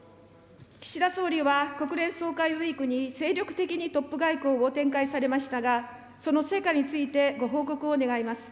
岸田総理は国連総会ウィークに、精力的にトップ外交を展開されましたが、その成果について、ご報告を願います。